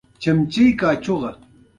ایا ستاسو ونډه فعاله ده؟